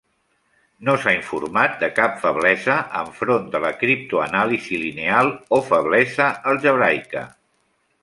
No s'ha informat de cap feblesa enfront de la criptoanàlisi lineal o feblesa algebraica.